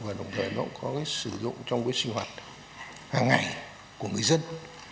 và đồng thời nó cũng có cái sử dụng trong cái sinh hoạt hàng ngày của người dân